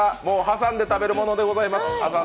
もう挟んで食べるものでございます。